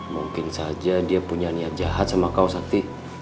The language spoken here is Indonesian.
mungkin saja dia punya niat jahat sama kau sakti